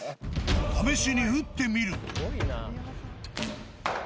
試しに打ってみると。